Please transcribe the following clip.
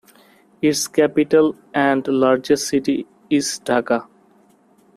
Its capital and largest city is Dhaka.